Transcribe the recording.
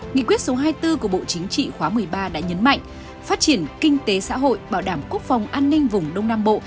nghị quyết số hai mươi bốn của bộ chính trị khóa một mươi ba đã nhấn mạnh phát triển kinh tế xã hội bảo đảm quốc phòng an ninh vùng đông nam bộ